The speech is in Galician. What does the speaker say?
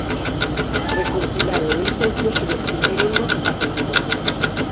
Recompilaron exemplos e describíronos a continuación.